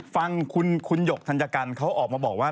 ฟังคุณหยกธัญกันเขาออกมาบอกว่า